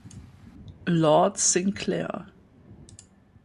Lord Sinclair.